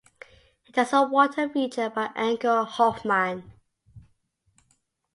It has a water feature by Anker Hoffmann.